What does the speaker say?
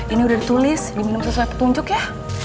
ini udah ditulis diminum sesuai petunjuk ya